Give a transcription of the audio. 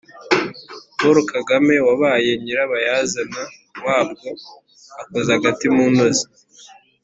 paul kagame wabaye nyirabayazana wabwo akoza agati mu ntozi